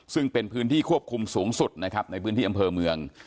ซึ่งเป็นพื้นที่ควบคุมสูงสุดนะครับในพื้นที่อำเภอเมือง